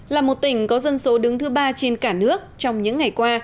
là một tỉnh có dân số đứng thứ ba trên cả nước trong những ngày qua